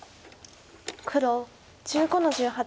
黒１５の十八。